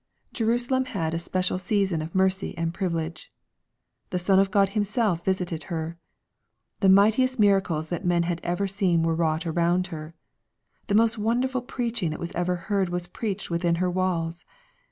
Jerusalem had a special season 816 EXPOSITORY THOUGHTS of mercy and privilege. The Son of God Himself visited her. The mightiest miracles that "man had ever seen were wrought around her. The most wonderful preaching that ever was heard was preached within her walls.